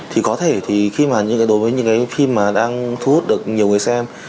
thì có thể thì khi mà đối với những cái phim mà đang thu hút được nhiều người xem